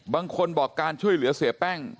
บางคนบอกการช่วยเหลือเสียแป้ง